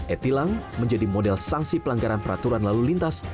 e tilang menjadi model sanksi pelanggaran peraturan lalu lintas